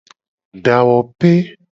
Dawope.